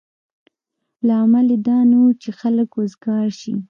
لامل یې دا نه و چې خلک وزګار شي.